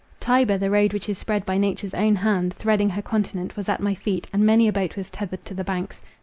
Tiber, the road which is spread by nature's own hand, threading her continent, was at my feet, and many a boat was tethered to the banks.